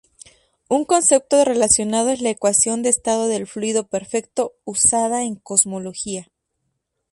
Un concepto relacionado es la ecuación de estado del fluido perfecto, usada en Cosmología.